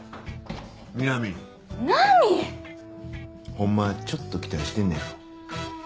ほんまはちょっと期待してんねやろ。